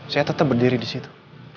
saya tetep berdiri disitu